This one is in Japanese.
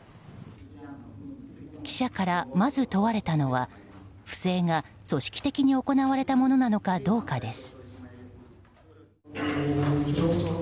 記者から、まず問われたのは不正が組織的に行われたものなのかどうかです。